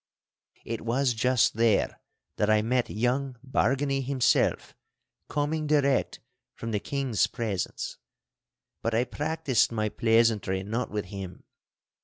It was just there that I met young Bargany himself, coming direct, from the King's presence. But I practised my pleasantry not with him.